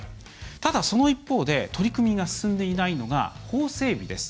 ただ、その一方で取り組みが進んでいないのが法整備です。